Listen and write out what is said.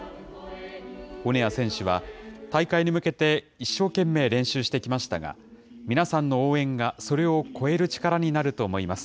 オネア選手は、大会に向けて一生懸命練習してきましたが、皆さんの応援がそれを超える力になると思います。